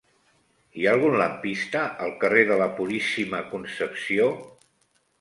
Hi ha algun lampista al carrer de la Puríssima Concepció?